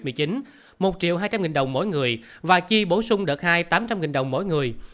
một hai trăm linh đồng mỗi người và chi bổ sung đợt hai tám trăm linh đồng mỗi người